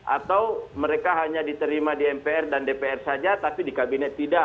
atau mereka hanya diterima di mpr dan dpr saja tapi di kabinet tidak